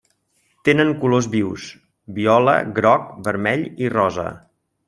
Tenen colors vius: viola, groc, vermell i rosa.